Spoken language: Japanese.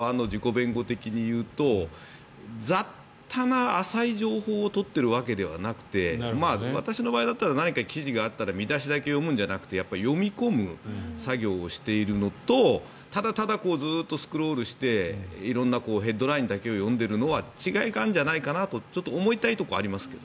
ただ、あえてその逆に取ってる側の自己弁護的に言うと雑多な浅い情報を取っているわけではなくて私の場合だったら記事があったら見出しだけ見るんじゃなくて読み込む作業をしているのとただずっとスクロールして色んなヘッドラインだけ読んでいるのと違いがあるんじゃないかなと思いたいところはありますが。